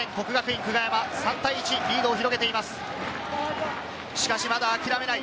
國學院久我山、３対１、リードを広げています。